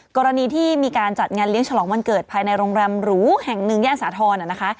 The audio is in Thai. กรณีที่มีการจัดงานเลี้ยงฉลองวันเกิดภายในโรงแรมหรูแห่งหนึ่งย่านสาธรณ์นะคะ